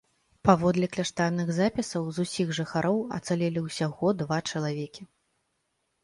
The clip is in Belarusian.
Паводле кляштарных запісаў, з усіх жыхароў ацалелі ўсяго два чалавекі.